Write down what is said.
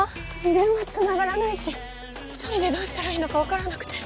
電話繋がらないし１人でどうしたらいいのかわからなくて。